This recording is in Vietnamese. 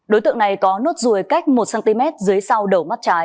đối tượng này có nốt ruồi cách một cm dưới xeo